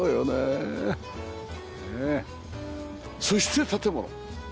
そして建物。